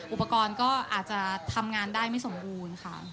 อุปกรณ์ก็อาจจะทำงานได้ไม่สมบูรณ์ค่ะ